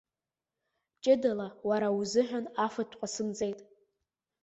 Ҷыдала уара узыҳәан афатә ҟасымҵеит.